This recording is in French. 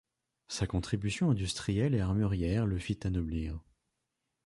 Sa contribution industrielle et armurière le fit anoblir.